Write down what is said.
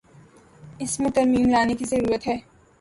اس میں ترمیم لانے کی ضرورت ہے۔